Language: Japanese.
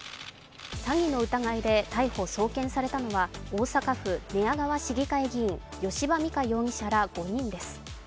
詐欺の疑いで逮捕・送検されたのは大阪府寝屋川市議会議員吉羽美華容疑者ら５人です。